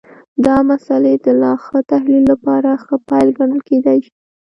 د مسألې د لا ښه تحلیل لپاره ښه پیل ګڼل کېدای شي.